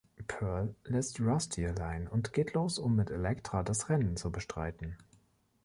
Pearl lässt Rusty allein und geht los, um mit Electra das Rennen zu bestreiten.